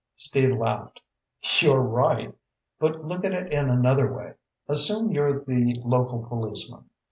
Steve laughed. "You're right. But look at it in another way. Assume you're the local policeman.